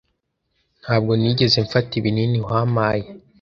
Ntabwo nigeze mfata ibinini wampaye.